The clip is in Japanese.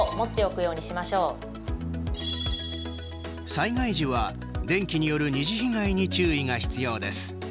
災害時は電気による二次被害に注意が必要です。